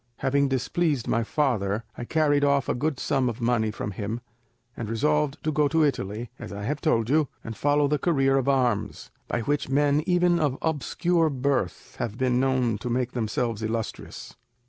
Having displeased my father, I carried off a good sum of money from him, and resolved to go to Italy, as I have told you, and follow the career of arms, by which men even of obscure birth have been known to make themselves illustrious."